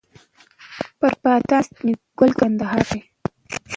پر پاتا ناست مي ګل کندهار دی